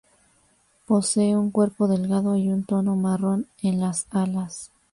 Posee un cuerpo delgado y un tono marrón en las alas.